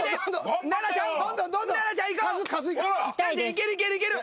いけるいけるいける。